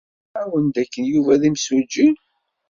Nniɣ-awen dakken Yuba d imsujji?